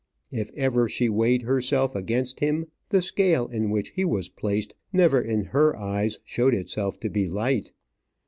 If ever she weighed herself against him, the scale in which he was placed never in her eyes showed itself to be light.